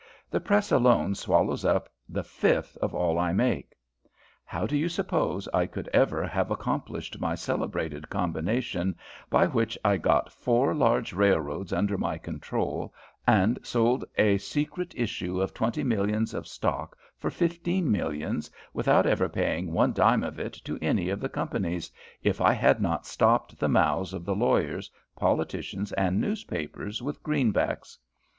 The press alone swallows up the fifth of all I make. How do you suppose I could ever have accomplished my celebrated combination by which I got four large railroads under my control, and sold a secret issue of twenty millions of stock for fifteen millions, without ever paying one dime of it to any of the companies, if I had not stopped the mouths of the lawyers, politicians, and newspapers with greenbacks?